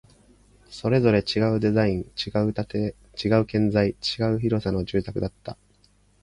それぞれ違うデザイン、違う建材、違う広さの住宅だった